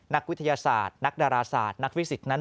นักวิทยาศาสตร์นักดาราศาสตร์นักฟิสิกส์นั้น